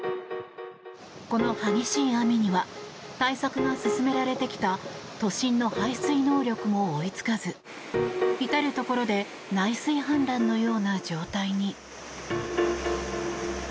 この激しい雨には対策が進められてきた都心の排水能力も追いつかず至るところで内水氾濫のような状態に。